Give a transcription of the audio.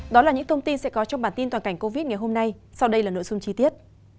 đó là những thông tin sẽ có trong bản tin toàn cảnh covid ngày hôm nay sau đây là nội dung chi tiết